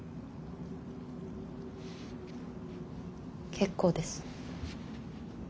結構です。